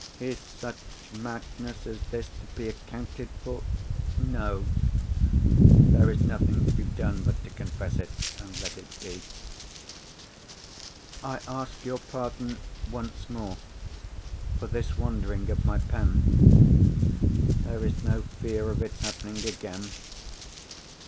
Is such madness as this to be accounted for? No. There is nothing to be done but to confess it, and let it be. "I ask your pardon, once more, for this wandering of my pen. There is no fear of its happening again.